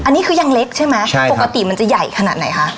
อันนี้คือยังเล็กใช่ไหมครับปกติมันจะใหญ่ขนาดไหนครับใช่ครับ